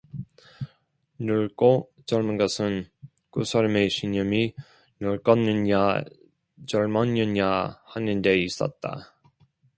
늙고 젊은 것은 그 사람의 신념이 늙었느냐 젊었느냐 하는데 있다.